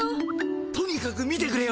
とにかく見てくれよ。